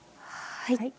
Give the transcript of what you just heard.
はい。